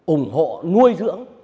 ủng hộ nuôi dưỡng